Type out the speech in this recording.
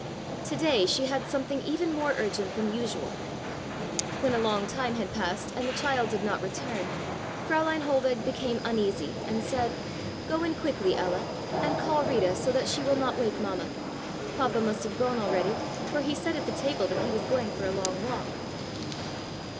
To day she had something even more urgent than usual. When a long time had passed and the child did not return, Fräulein Hohlweg became uneasy and said: "Go in quickly, Ella, and call Rita, so that she will not wake Mamma. Papa must have gone already, for he said at the table that he was going for a long walk."